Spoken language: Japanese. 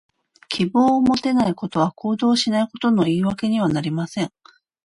希望を持てないことは、行動しないことの言い訳にはなりません。